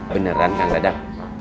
beneran kak dadang